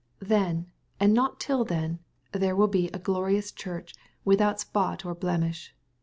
Then, and not till then, there will be a glorious Church, without spot or blemish.